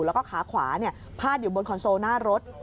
แล้วก็ขาขวาพาดอยู่บนคอนโซลหน้ารถ